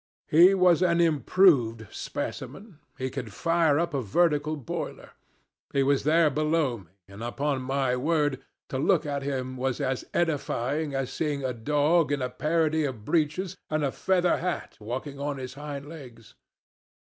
He was an improved specimen; he could fire up a vertical boiler. He was there below me, and, upon my word, to look at him was as edifying as seeing a dog in a parody of breeches and a feather hat, walking on his hind legs.